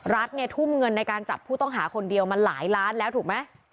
รัฐเนี่ยทุ่มเงินในการจับผู้ต้องหาคนเดียวมาหลายล้านแล้วถูกไหม